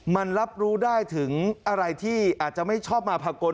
มันรับรู้ได้ถึงอะไรที่อาจจะไม่ชอบมาภากล